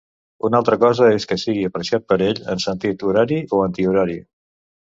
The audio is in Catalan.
Una altra cosa és que sigui apreciat per ell en sentit horari o antihorari.